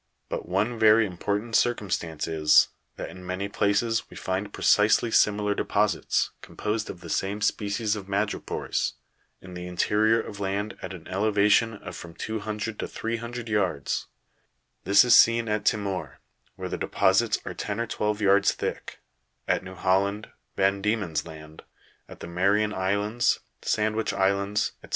But one very im portant circumstance is, that in many places we find precisely simi lar deposits, composed of the same species of madrepores, in the interior of land at an elevation of from 200 to 300 ya rds ; this is seen at Timor, where the deposits are ten or twelve yards thick ; at New Holland, Van Diemen's Land, at the Marian Islands, Sandwich Islands, &c.